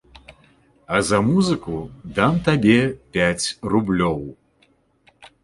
А за музыку дам табе пяць рублёў.